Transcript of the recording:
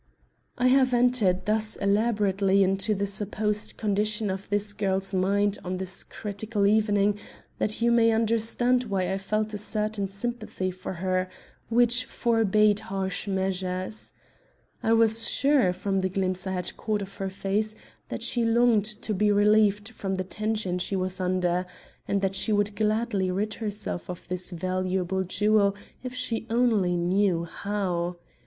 I have entered thus elaborately into the supposed condition of this girl's mind on this critical evening, that you may understand why I felt a certain sympathy for her, which forbade harsh measures. I was sure, from the glimpse I had caught of her face, that she longed to be relieved from the tension she was under, and that she would gladly rid herself of this valuable jewel if she only knew how.